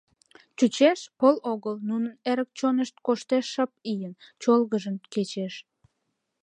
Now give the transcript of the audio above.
Чучеш: пыл огыл, нунын эрык чонышт Коштеш шып ийын, чолгыжын кечеш.